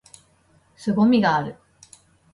凄みがある！！！！